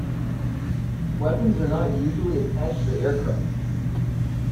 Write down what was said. Weapons are not usually attached to the aircraft.